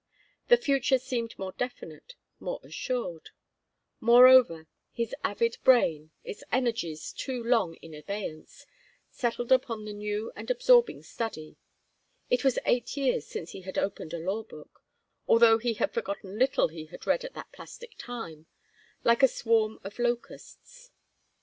The future seemed more definite, more assured; moreover, his avid brain, its energies too long in abeyance, settled upon the new and absorbing study it was eight years since he had opened a law book, although he had forgotten little he had read at that plastic time like a swarm of locusts.